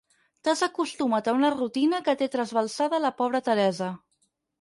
T'has acostumat a una rutina que té trasbalsada la pobra Teresa.